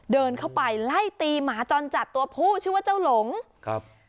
เดินเข้าไปไล่ตีหมาจรจัดตัวผู้ชื่อว่าเจ้าหลงครับ